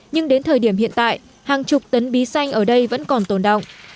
nhưng đến thời điểm hiện tại hàng chục tấn bí xanh ở đây vẫn còn tồn động